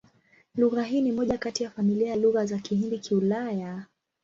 Lugha hii ni moja kati ya familia ya Lugha za Kihindi-Kiulaya.